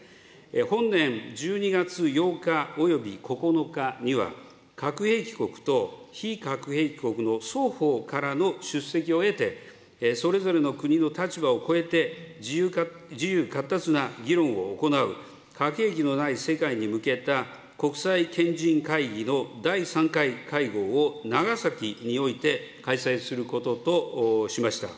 本年１２月８日および９日には、核兵器国と非核兵器国の双方からの出席を得て、それぞれの国の立場を超えて、自由かっ達な議論を行う核兵器のない世界に向けた国際賢人会議の第３回会合を長崎において開催することとしました。